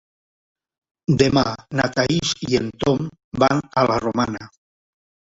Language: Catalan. Demà na Thaís i en Tom van a la Romana.